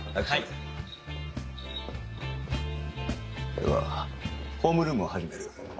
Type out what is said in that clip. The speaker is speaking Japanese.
ではホームルームを始める。